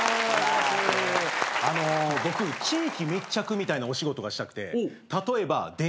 あの僕地域密着みたいなお仕事がしたくて例えば電車の車掌さん。